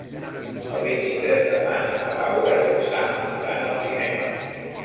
El vint-i-tres de maig na Laura i en Sam iran al cinema.